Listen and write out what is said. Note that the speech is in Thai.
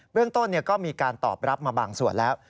เรื่องต้นก็มีการตอบรับมาบางส่วนแล้ว